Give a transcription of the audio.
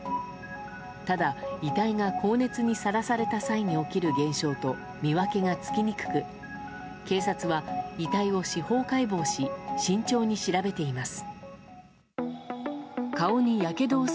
ただ、遺体が高熱にさらされた際に起きる現象と見分けがつきにくく警察は、遺体を司法解剖し慎重に調べています。